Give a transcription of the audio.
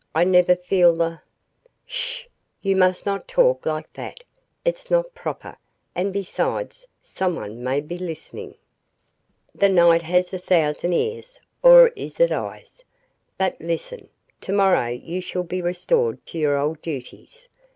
I never feel the " "Sh! You must not talk like that. It's not proper, and besides someone may be listening. The night has a thousand ears or is it eyes? But listen: to morrow you shall be restored to your old duties.